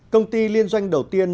công ty liên doanh đầu tiên